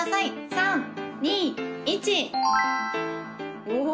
３２１おお！